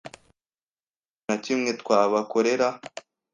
Nta kintu na kimwe twabakorera.